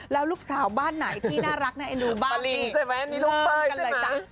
แล้วลูกสาวบ้านไหนที่น่ารักเนี่ยเนี่ยเนี่ยบ้านเอง